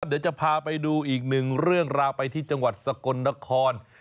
เดี๋ยวจะพาไปดูอีกหนึ่งเรื่องราวไปที่จังหวัดสกลนคร